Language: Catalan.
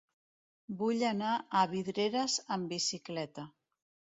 Vull anar a Vidreres amb bicicleta.